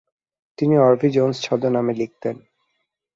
তিনি অরভি জোনস ছদ্মনামে লিখতেন।